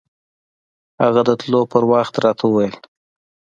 هغه د تلو پر وخت راته وويل.